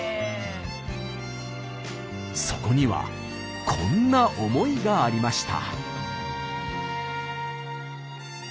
そこにはこんな思いがありました。